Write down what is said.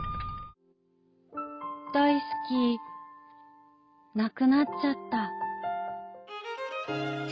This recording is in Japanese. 「だいすきなくなっちゃった」。